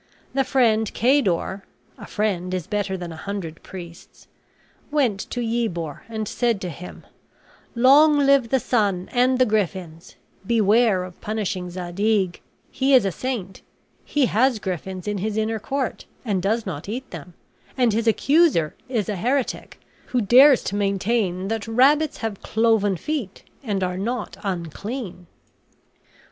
The friend Cador (a friend is better than a hundred priests) went to Yebor, and said to him, "Long live the sun and the griffins; beware of punishing Zadig; he is a saint; he has griffins in his inner court and does not eat them; and his accuser is an heretic, who dares to maintain that rabbits have cloven feet and are not unclean."